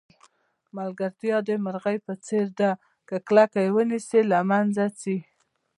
ملګرتیا د مرغۍ په څېر ده که کلکه یې ونیسئ له منځه ځي.